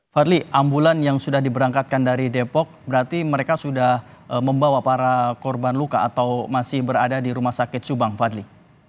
fadli ambulan yang sudah diberangkatkan dari depok berarti mereka sudah membawa para korban luka atau masih berada di rumah sakit subang fadli